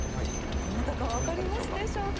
どなたかわかりますでしょうか？